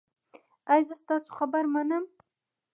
ایا زه ستاسو خبره منم؟